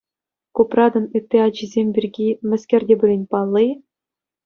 Купратӑн ытти ачисем пирки мӗскер те пулин паллӑ-и?